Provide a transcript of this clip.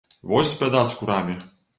Вось бяда з курамі!